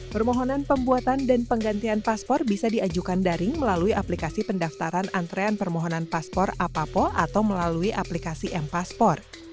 permohonan pembuatan dan penggantian paspor bisa diajukan daring melalui aplikasi pendaftaran antrean permohonan paspor apapopo atau melalui aplikasi m paspor